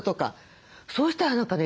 そうしたら何かね